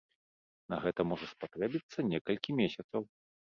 На гэта можа спатрэбіцца некалькі месяцаў.